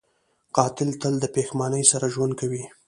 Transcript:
قاتل تل د پښېمانۍ سره ژوند کوي